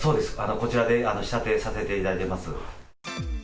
こちらで仕立てさせていただいています。